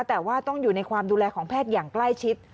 แต่ว่าต้องอยู่ในความดูแลของแพทย์อย่างใกล้ชิด